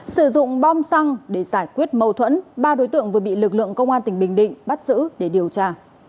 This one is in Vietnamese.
sử dụng bom xăng để giải quyết mâu thuẫn ba đối tượng vừa bị lực lượng công an tỉnh bình định bắt giữ để điều tra